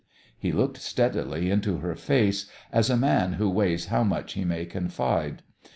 He looked steadily into her face, as a man who weighs how much he may confide.